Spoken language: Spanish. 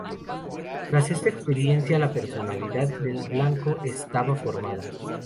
Tras esta experiencia, la personalidad de Blanco estaba formada.